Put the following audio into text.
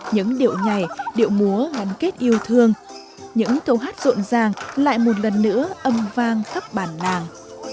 những điệu nhảy điệu múa ngắn kết yêu thương những câu hát rộn ràng lại một lần nữa âm vang khắp bản làng